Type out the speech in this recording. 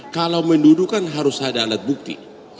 kalau menduduh kan harus ada alat bukti